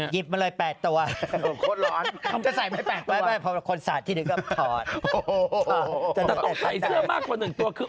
เยี่ยมมาก